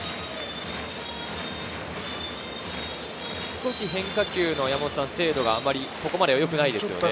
少し変化球の精度があまりよくないですね。